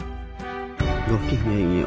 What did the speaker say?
ごきげんよう。